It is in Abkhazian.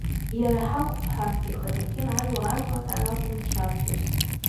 Иара ҳахәԥҳа ихаҭагьы аарла-аарлаҳәа акәын дшаԥхьоз.